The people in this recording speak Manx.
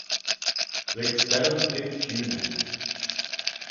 Lurg sterrym hig kiuney.